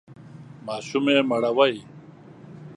ماشوم یې مړوئ!